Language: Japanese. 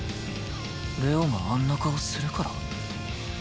玲王があんな顔するから？